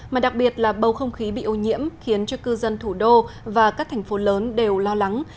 mà đặc biệt là bầu không khí bị ô nhiễm khiến cho cư dân thủ đô và các thành phố lớn đều lo lắng